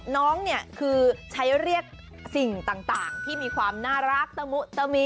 น้องเนี่ยคือใช้เรียกสิ่งต่างที่มีความน่ารักตะมุตมิ